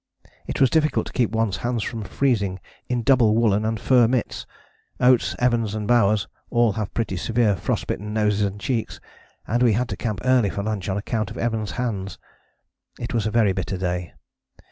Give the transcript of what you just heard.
It was difficult to keep one's hands from freezing in double woollen and fur mitts. Oates, Evans, and Bowers all have pretty severe frost bitten noses and cheeks, and we had to camp early for lunch on account of Evans' hands. It was a very bitter day.